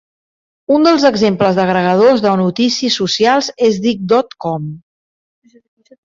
Un dels exemples d'agregadors de notícies socials és Digg dot com.